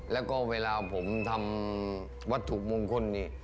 แล้วก็เวลาผมทำวัตถุมงคลนี่